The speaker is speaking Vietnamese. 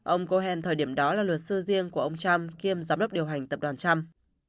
ông cohen thời điểm đó là luật sư riêng của ông trump kiêm giám đốc điều hành tập đoàn trump